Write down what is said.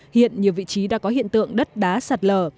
hiện nhiều vị trí đã có hiện tượng đất đá sạt lở